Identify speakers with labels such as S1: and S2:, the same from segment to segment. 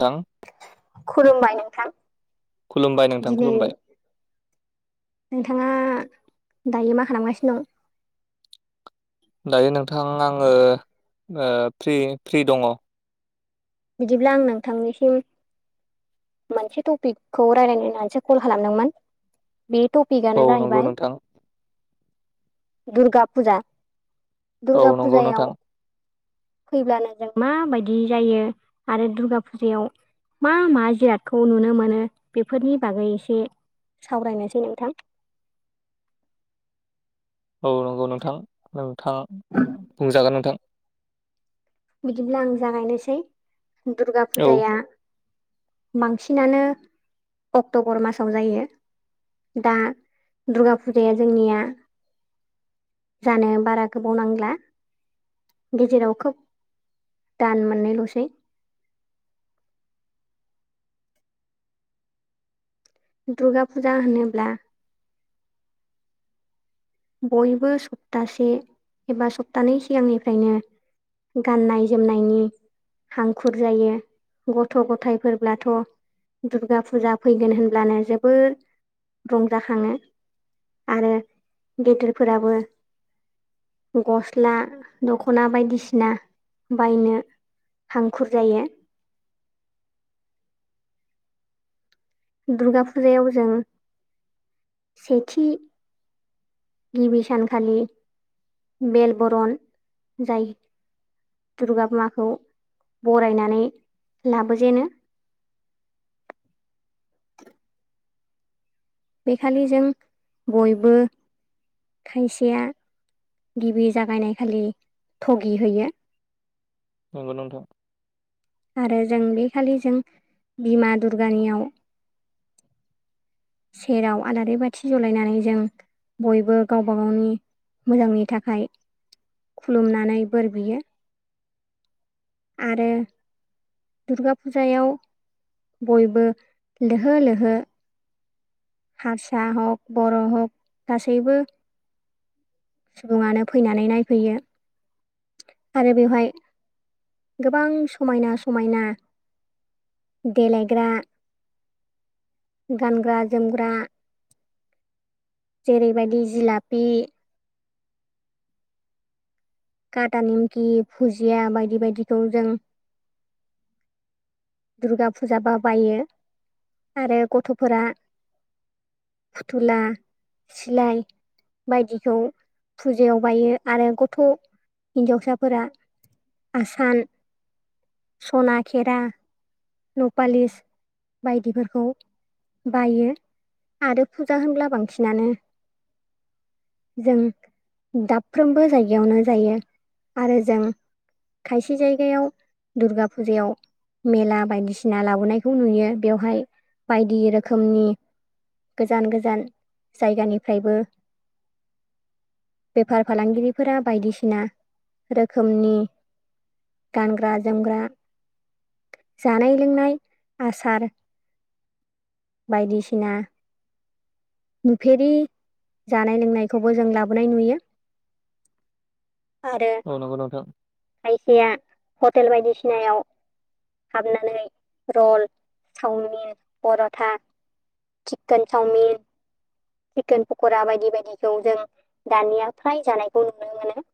S1: नोंथां
S2: खुलुमबाय नोंथां।
S1: खुलुमबाय नोंथां
S2: दिनै
S1: खुलुमबाय
S2: नोंथाङा दायो मा खालामगासिनो दं?
S1: दायो नोंथां आङो ओ फ्रि फ्रि दङ।
S2: बिदिब्ला आं नोंथांनिसिम मोनसे टपिकखौ रायज्लायनो होननानैसो कल खालामदोंमोन बे टपिकआनो
S1: नंगौ
S2: जाहैबाय।
S1: नोंथां
S2: दुर्गा फुजा
S1: औ
S2: दुर्गा
S1: नंगौ
S2: फुजायाव
S1: नोंथां
S2: फैब्लानो जों माबायदि जायो आरो दुर्गा फुजायाव मा मा जिरादखौ नुनो मोनो? बेफोरनि बागै एसे सावरायनोसै नोंथां।
S1: औ नंगौ नोंथां। नोंथा बुंजागोन नोंथां।
S2: बिदिब्ला आं जागायनोसै दुर्गा
S1: औ
S2: फुजाया बांसिनानो अक्ट'बर मासाव जायो दा दुर्गा फुजाया जोंनिया जानो बारा गोबाव नांला गेजेराव खोब दान मोननैल'सेै। दुर्गा फुजा होनोब्ला बयबो सप्तासे एबा सप्तानैै सिगांनिफ्रायनो गाननाय जोमनायनि हांखुर जायो गथ' गथायफोरब्लाथ' दुर्गा फुजा फैगोन होनब्लानो जोबोर रंजाखाङो आरो गेदेरफोराबो गस्ला दख'ना बायदिसिना बायनो हांखुर जायो दुर्गा फुजायाव जों सेथि गिबि सानखालि बेलबरन जायो दुर्गा माखौ बरायनानै लाबोजेनो [inaudible] बेखालि जों बयबो खायसेया गिबि जागायनाय खालि थगि होयो
S1: नंगौ नोंथां
S2: आरो जों बेखालि जों बिमा दुर्गानियाव सेराव आलारि बाथि जलायनानै जों बयबो गावबा गावनि मोजांनि थाखाय खुलुमनानै बोर बियो आरो दुर्गा फुजायाव बयबो लोहो लोहो हारसा हक बर' हक गासैबो सुबुङानो फैनानै नायफैयो आरो बेवहाय गोबां समायना समायना देलायग्रा गानग्रा जोमग्रा जेरैबायदि जिलापि काता नेमकि भुजिया बायदि बायदिखौ जों दुर्गा फुजाबा बायो आरो गथ'फोरा फुथुला सिलाय बायदिखौ फुजायाव बायो आरो गथ' हिन्जावसाफोरा आसान सना खेरा न'पालिस बायदिफोरखौ बायो आरो फुजा होनब्ला बांसिनानो जों दाबफ्रोमबो जायगायावनो जायो आरो जों खायसे जायगायाव दुर्गा फुजायाव मेला बायदिसिना लाबोनायखौ नुयो बेवहाय बायदि रोखोमनि गोजान गोजान जायगानिफ्रायबो बेफार फालांगिरिफोरा बायदिसिना रोखोमनि गानग्रा जोमग्रा जानाय लोंनाय आसार बायदिसिना नुफेरि जानाय लोंनायखौबो जों लाबोनाय नुयो आरो
S1: औ नंगौ नोंथां
S2: खायसेया हटेल बायदिसिनायाव हाबनानै रल chowmein paratha chicken chowmein chicken pakora बायदि बायदिखौ जों दानिया फ्राय जानायखौ नुनो मोनो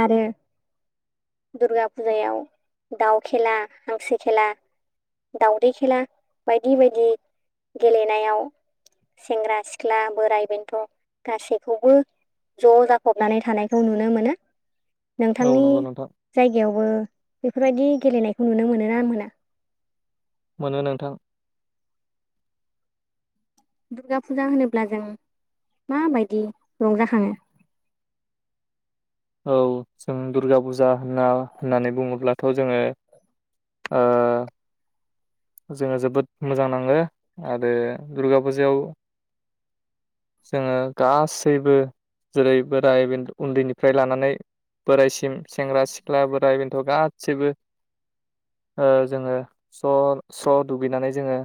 S2: आरो दुर्गा फुजायाव दाउ खेला हांसो खेला दावदै खेला बायदि बायदि गेलेनायाव सेंग्रा सिख्ला बोराइ बेन्थ' गासैखौबो ज' जाफबनानै थानायखौ नुनो मोनो
S1: औ
S2: नोंथांनि
S1: नंगौ नोंथां
S2: जायगायावबो बेफोरबायदि गेलेनायखौ नुनो मोनो ना मोना।
S1: मोनो नोंथां।
S2: दुर्गा फुजा होनोब्ला जों माबायदि रंजाखाङो? [inaudible]
S1: औ जों दुर्गा फुजा होनना होननानै बुङोब्लाथ' जोङो ओ। जोङो जोबोद मोजां नाङो आरो दुर्गा फुजायाव जोङो गासैबो जेरै बोराय बेन्थ उन्दैनिफ्राय लानानै बोरायसिम सेंग्रा सिख्ला बोराइ बेन्थ' गासिबो जोङो स' स्र' दुगैनानै जोङो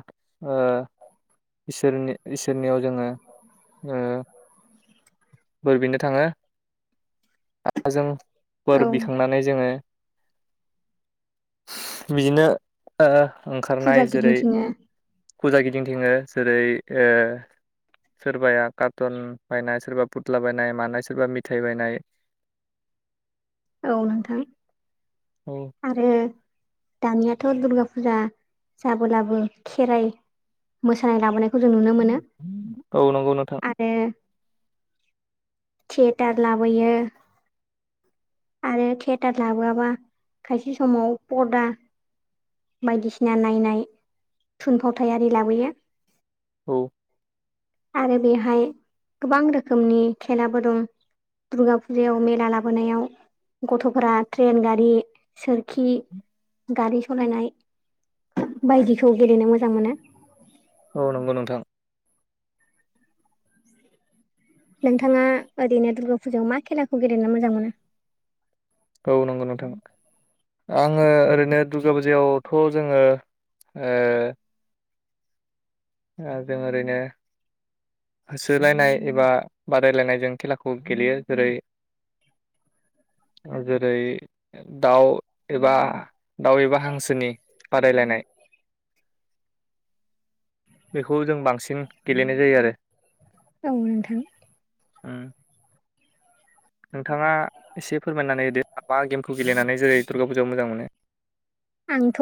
S1: इसोरनियाव जोङो बोर बिनो थाङो हजों बोर
S2: औ
S1: बिखांनानै जोङो बिदिनो।
S2: फुजा
S1: ओंखारनाय जेरै
S2: गिदिंथिङो
S1: फुजा गिदिंथिङो जेरै सोरबाया कार्टन बायनाय सोरबा फुथ्ला बायनाय मानाय सोरबा मिथाय बायनाय
S2: [inaudible] औ नोंथां
S1: औ
S2: आरो दानियाथ' दुर्गा फुजा जाबोलाबो खेराइ मोसानाय लाबोनाय खौ जों नुनो मोनो
S1: औ नंगौ नोंथां
S2: आरो थियेटार लाबोयो आरो थियेटार लाबोआबा खायसे समाव पदा बायदिसिना नायनाय थुनफावथायारि लाबोयो
S1: औ
S2: आरो बेहाय गोबां रोखोमनि खेलाबो दं दुर्गा फुजायाव मेला लाबोनायाव गथ'फोरा ट्रेन गारि सोरखि गारि सालायनाय बायदिखौ गेलेनो मोजां मोनो
S1: औ नंगौ नोंथां
S2: नोंथाङा ओरैनो दुर्गा फुजायाव मा खेलाखौ गेलेनो मोजां मोनो
S1: औ नंगौ नोंथां। आङो ओरैनो दुर्गा बुजायावथ' जोङो आ जों औरैनो होसोलायनाय एबा बादायलायनायजों खेलाखौ गेलेयो जेरै जेरै दाउ एबा दाउ एबा हांसोनि बादायलायनाय बेखौ जों बांसिन गेलेनाय जायो आरो
S2: औ नोंथां
S1: उम नोंथाङा एसे फोरमायनानै हो दो मा गेमखौ गेलेनानै जेरै दुर्गा फुजायाव मोजां मोनो
S2: आंथ'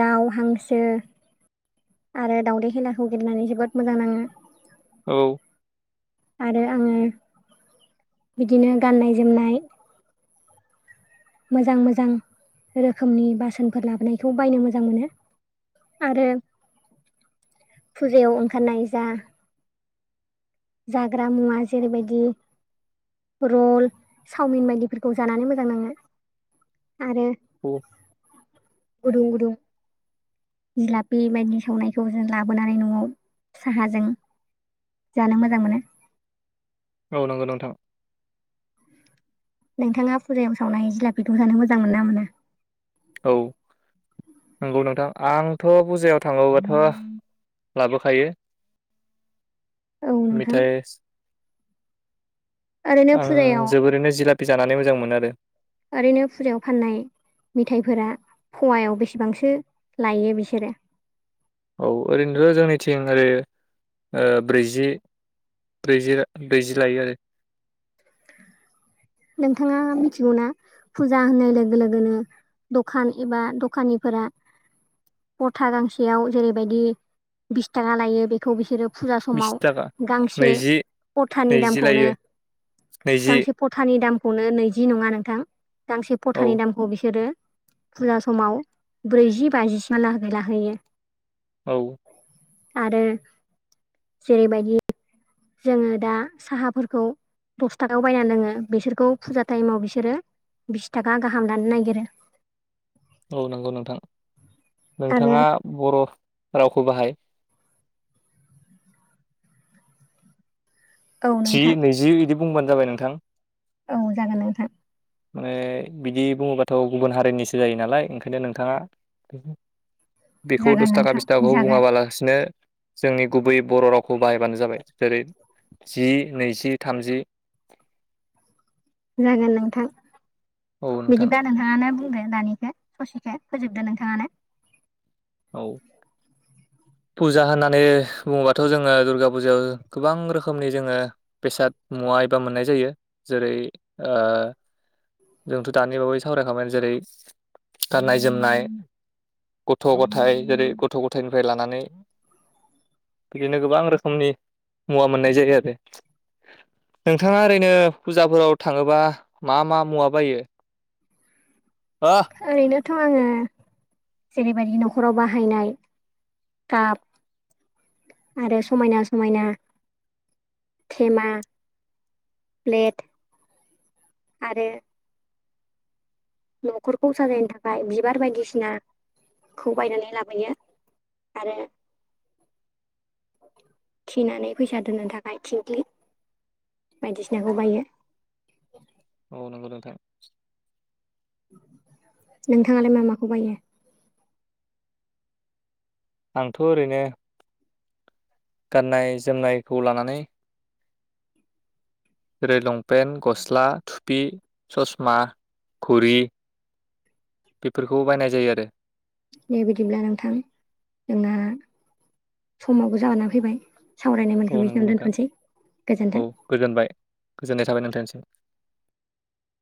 S2: दाउ हांसो आरो दावउदै खेलाखौ गेलेनानै जोबोद मोजां नाङो।
S1: औ
S2: आरो आङो बिदिनो गाननाय जोमनाय मोजां मोजां रोखोमनि बासोनफोर लाबोनायखौ बायनो मोजां मोनो आरो फुजायाव ओंखारनाय जा जाग्रा मुवा जेरैबायदि रल चावमिन बायदिफोरखौ जानानै मोजां नाङो आरो।
S1: औ।
S2: गुदुं गुदुं जिलापि बायदिनि सावनायखौ जों लाबोनानै न'आव साहाजों। जानो मोजां मोनो।
S1: औ नंगौ नोंथां।
S2: नोंथाङा फुजायाव सावनाय जिलापिखौ जानो मोजां मोनो ना मोना।
S1: औ नंगौ नोंथां आंथ' बपुजायाव थांङोबाथ'। लाबोखायो
S2: औ नोंथां
S1: मेथाइ
S2: ओरैनो
S1: आं
S2: फुजायाव
S1: जोबोरैनो जिलापि जानानै मोजां मोनो आरो।
S2: ओरैनो फुजायाव फाननाय मेथायाइफोरा फवायाव बेसेबांसो लायो बिसोरो।
S1: औ ओरैनोथ' जोंनि थिं ओरै ब्रैजि ब्रैजि ब्रैजि लायो आरो।
S2: नोंथाङा मिथिगौना फुजा होननाय लोगो लोगोनो। दखान एबा दखानिफोरा परथाथा गांसेयाव जेरैबायदि बिस थाखा लायो बेखौ बिसोरो। फुजा
S1: बिस
S2: समाव
S1: थाखा
S2: गांसे
S1: नैजि
S2: परथानि
S1: नैजि
S2: दामखौनो
S1: लायो नैजि
S2: गांसे फथानि दामखौनो नैजि नङा नोंथां गांसे
S1: औ
S2: फथानि दामखौ बिसोरो फुजा समाव ब्रैजि बाजिसिम ब्रैजि बाजि सिम हा लागै लाहैयो।
S1: औ
S2: आरो जेरैबायदि जोङो दा साहाफोरखौ दस थाखायाव बायना लोङो बिसोरखौ फुजा टाइमाव बिसोरो बिस थाखा गाहाम लानो नागिरो।
S1: औ नंगौ नोंथां
S2: आरो
S1: नोंथाङा बर' रावखौ बाहाय
S2: औ
S1: जि
S2: नोंथां
S1: नैजि बिदि बुंबानो जाबाय नोंथां।
S2: औ जागोन नोंथां।
S1: माने बिदि बुङोबाथ' गुबुन हारिनिसो जायो नालाय ओंखायनो नोंथाङा। बेखौ
S2: जागोन
S1: दस थाखा
S2: नोंथां
S1: बिस थाखाखौ
S2: जागोन
S1: बुङाबालासिनो। जोंनि गुबै बर' रावखौ बाहायबानो जाबाय जेरै जि नैजि थामजि
S2: जागोन नोंथां
S1: औ नोंथां
S2: बिदिबा नोंथाङानो बुंदो। दानिखौ ससेखौ फोजोबदो नोंथाङानो।
S1: औ
S2: [inaudible]
S1: फुजा होननानै बुङोबाथ' जोङो दुर्गा फुजायाव गोबां रोखोमनि जोङो बेसाद मुवा बा मोननाय जायो जेरै जोंथ' दानि बावै सावरायखाबाय जेरै गाननाय जोमनाय। गथ' गथायाइ जेरै गथ' गथायनिफ्राय लानानै। बिदिनो गोबां रोखोमनि मुवा मोननाय जायो आरो। नोंथाङा ओरैनो फुजाफोराव थाङोबा मा मा मुवा बायो। ओ
S2: ओरैनो थ' आङो जेरैबायदि न'खराव बाहायनाय काब आरो समायना समायना। थेमा प्लेट आरो। न'खरखौ साजायनो थाखाय बिबार बायदिसिनाखौ बायनानै लाबोयो। आरो थिनानै फैसा दोननो थाखाय थिंख्लि, बायदिसिनाखौ बायो।
S1: औ नंगौ नोंथां।
S2: नोंथांआलाय मामाखौ बायो?
S1: आंथ' ओरैनो गाननाय जोमनायखौ लानानै जेरै लं पेन गस्ला थुफि ससमा घुरि बेफोरखौ बायनाय जायो आरो
S2: ए बिदिब्ला नोंथां जोंना समावबो जागोना फैबाय सावरायनाय
S1: औ
S2: मोनखो बेखिनि
S1: नंगौ
S2: आवनो
S1: नोंथां
S2: दोनथ'सै गोजोन्थों
S1: जाबोनथस [unintelligible]